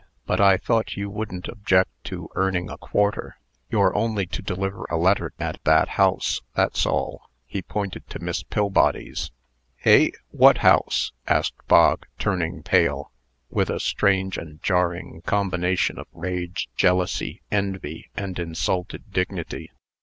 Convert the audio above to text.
But I thought you wouldn't object to earning a quarter. You're only to deliver a letter at that house; that's all." He pointed to Miss Pillbody's. "Hey what house?" asked Bog, turning pale, with a strange and jarring combination of rage, jealousy, envy, and insulted dignity.